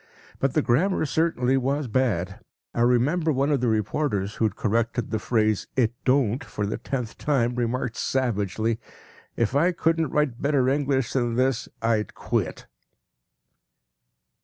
But the grammar certainly was bad. I remember one of the reporters who had corrected the phrase “it don’t” for the tenth time remarked savagely, “If I couldn’t write better English than this, I’d quit.